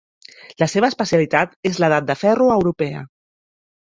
La seva especialitat és l'Edat de ferro europea.